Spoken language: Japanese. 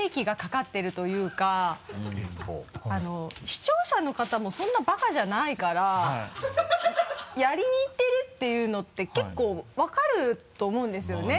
視聴者の方もそんなバカじゃないからやりにいってるっていうのって結構分かると思うんですよね。